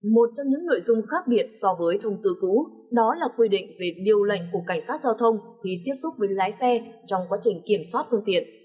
một trong những nội dung khác biệt so với thông tư cũ đó là quy định về điều lệnh của cảnh sát giao thông khi tiếp xúc với lái xe trong quá trình kiểm soát phương tiện